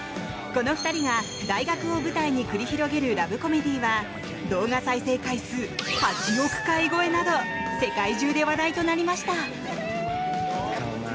この２人が、大学を舞台に繰り広げるラブコメディーは動画再生回数８億回超えなど世界中で話題となりました。